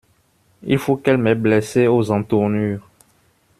Il faut qu’elles m’aient blessé aux entournures.